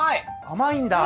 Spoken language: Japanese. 甘いんだ？